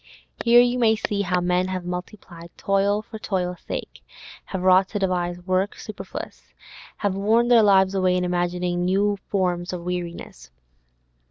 Here you may see how men have multiplied toil for toil's sake, have wrought to devise work superfluous, have worn their lives away in imagining new forms of weariness.